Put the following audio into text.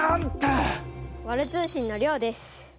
ワル通信のりょうです。